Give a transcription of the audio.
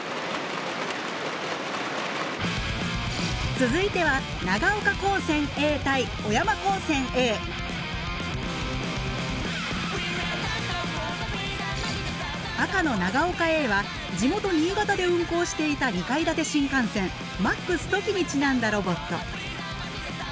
続いては赤の長岡Ａは地元新潟で運行していた２階建て新幹線「Ｍａｘとき」にちなんだロボット。